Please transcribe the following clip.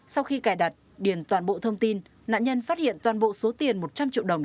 sau khi cài đặt điền toàn bộ thông tin nạn nhân phát hiện toàn bộ số tiền một trăm linh triệu đồng